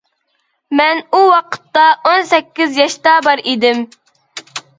مەن ئۇ ۋاقىتتا ئون سەككىز ياشتا بار ئىدىم.